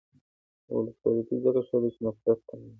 ولسواکي ځکه ښه ده چې نفرت کموي.